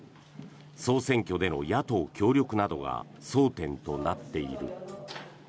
総選挙での野党協力などが争点となっている。